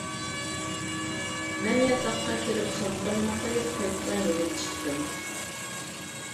مەن ياتاققا كىرىپ سومكامنى قويۇپ قويۇپلا يېنىپ چىقتىم.